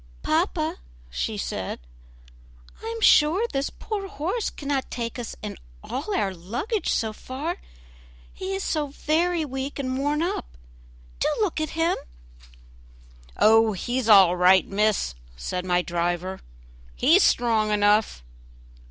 "Papa," she said, "I am sure this poor horse cannot take us and all our luggage so far, he is so very weak and worn up. Do look at him." "Oh! he's all right, miss," said my driver, "he's strong enough."